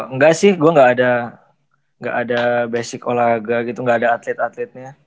enggak sih gue gak ada basic olahraga gitu nggak ada atlet atletnya